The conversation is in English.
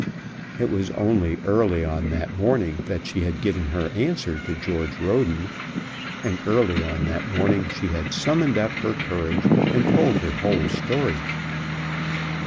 It was only early on that morning that she had given her answer to George Roden, and early on that morning she had summoned up her courage, and told her whole story.